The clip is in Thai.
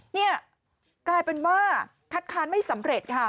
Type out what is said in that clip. นี่กลายเป็นว่าคัดค้านไม่สำเร็จค่ะ